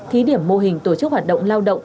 thí điểm mô hình tổ chức hoạt động lao động